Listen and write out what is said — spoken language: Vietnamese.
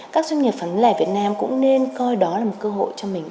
các doanh nghiệp bán lẻ việt nam cũng nên coi đó là một cơ hội cho mình